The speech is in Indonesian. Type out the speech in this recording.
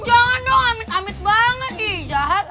jangan dong amit amit banget ih jahat deh